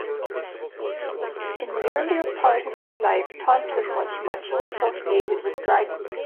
In the earlier part of his life Tonson was much associated with Dryden.